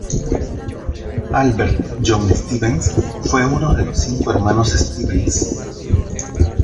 Albert John Stevens fue uno de los cinco hermanos Stevens.